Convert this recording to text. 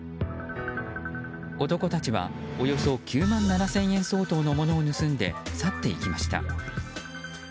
男たちはおよそ９万７０００円相当のものを盗んで去っていきました。